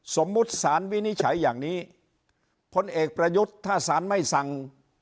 สมมุติสารวินิจฉัยอย่างนี้พลเอกประยุทธ์ถ้าสารไม่สั่ง